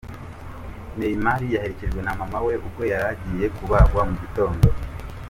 Neymar yaherekejwe na Mama we ubwo yari agiye kubagwa mu gitondo.